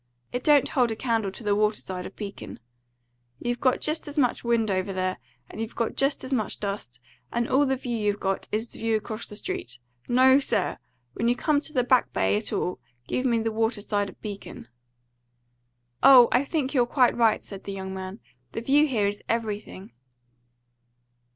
It don't hold a candle to the water side of Beacon. You've got just as much wind over there, and you've got just as much dust, and all the view you've got is the view across the street. No, sir! when you come to the Back Bay at all, give me the water side of Beacon." "Oh, I think you're quite right," said the young man. "The view here is everything."